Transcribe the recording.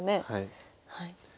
はい。